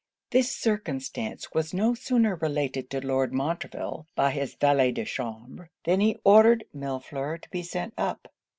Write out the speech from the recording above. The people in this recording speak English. This circumstance was no sooner related to Lord Montreville by his valet de chambre, than he ordered Millefleur to be sent up.